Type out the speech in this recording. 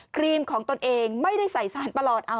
กินให้ดูเลยค่ะว่ามันปลอดภัย